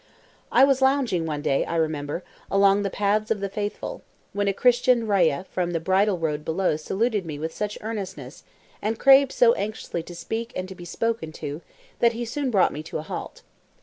I was lounging one day, I remember, along "the paths of the faithful," when a Christian Rayah from the bridle road below saluted me with such earnestness, and craved so anxiously to speak and be spoken to, that he soon brought me to a halt.